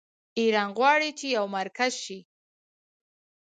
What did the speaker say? ایران غواړي چې یو مرکز شي.